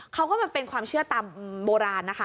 ก็เป็นความเชื่อตามโบราณนะคะ